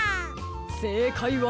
せいかいは。